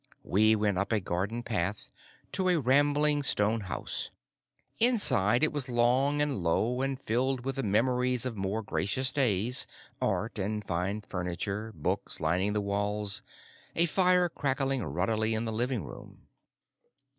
We went up a garden path to a rambling stone house. Inside, it was long and low and filled with the memoirs of more gracious days, art and fine furniture, books lining the walls, a fire crackling ruddily in the living room.